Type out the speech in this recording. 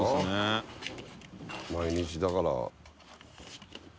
毎日だから。